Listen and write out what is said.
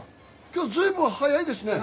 今日随分早いですね。